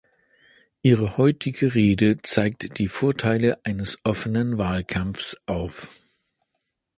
Ihre heutige Rede zeigt die Vorteile eines offenen Wahlkampfs auf.